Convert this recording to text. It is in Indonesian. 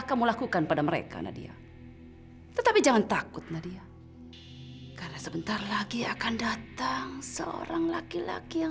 sampai jumpa di video selanjutnya